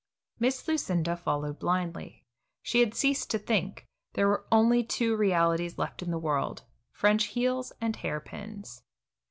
Miss Lucinda followed blindly. She had ceased to think; there were only two realities left in the world, French heels and hair pins.